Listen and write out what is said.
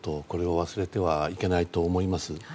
これを忘れてはいけないと思います。